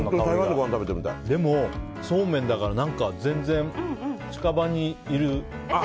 そうめんだから全然近場にいる。